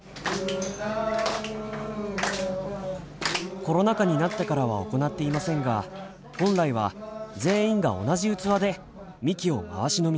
コロナ禍になってからは行っていませんが本来は全員が同じ器でみきを回し飲みします。